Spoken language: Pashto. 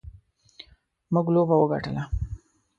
موږ لوبه وګټله.